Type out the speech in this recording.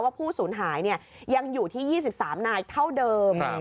ว่าผู้สูญหายเนี่ยยังอยู่ที่๒๓นาทีเท่าเดิม